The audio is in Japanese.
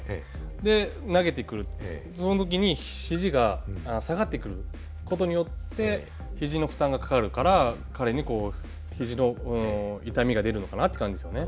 で投げてくるその時にひじが下がってくることによってひじの負担がかかるから彼にひじの痛みが出るのかなっていう感じですよね。